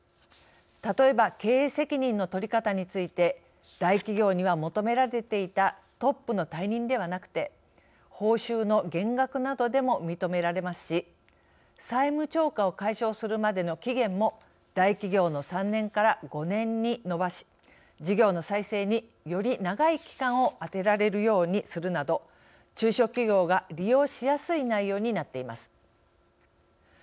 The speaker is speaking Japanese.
例えば経営責任の取り方について大企業には求められていたトップの退任ではなくて報酬の減額などでも認められますし債務超過を解消するまでの期限も大企業の３年から、５年に延ばし事業の再生に、より長い期間を充てられるようにするなど中小企業が利用しやすい内容になっています。